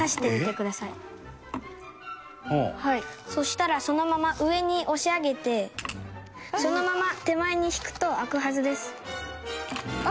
環子ちゃん：そしたらそのまま上に押し上げてそのまま手前に引くと開くはずです。